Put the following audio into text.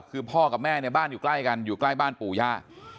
คือพ่อกับแม่เนี่ยบ้านอยู่ใกล้กันอยู่ใกล้บ้านปู่ย่า